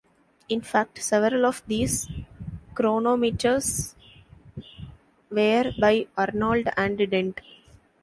In fact, several of these chronometers were by Arnold and Dent.